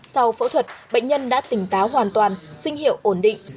sau phẫu thuật bệnh nhân đã tỉnh táo hoàn toàn sinh hiệu ổn định